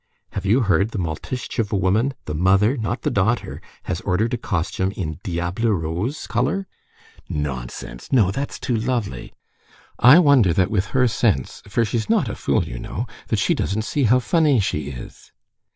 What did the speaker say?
"Have you heard the Maltishtcheva woman—the mother, not the daughter—has ordered a costume in diable rose color?" "Nonsense! No, that's too lovely!" "I wonder that with her sense—for she's not a fool, you know—that she doesn't see how funny she is."